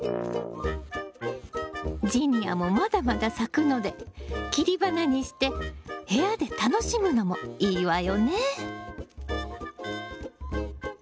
ジニアもまだまだ咲くので切り花にして部屋で楽しむのもいいわよね。